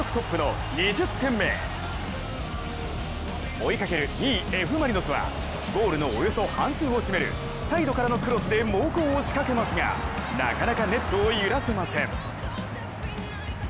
追いかける２位、Ｆ・マリノスはゴールのおよそ半数を占めるサイドからのクロスで猛攻を仕掛けますがなかなかネットを揺らせません。